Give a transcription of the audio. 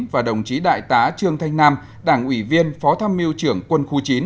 và đồng chí đại tá trương thanh nam đảng ủy viên phó tham miêu trưởng quân khu chín